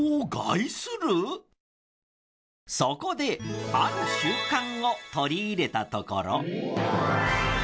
そこである習慣を取り入れたところ。